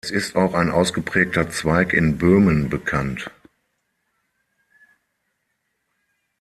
Es ist auch ein ausgeprägter Zweig in Böhmen bekannt.